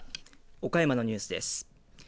岡山のニュースです。